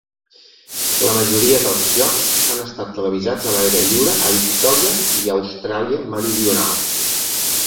La majoria dels jocs han estat televisats a l'aire lliure a victòria i Austràlia Meridional.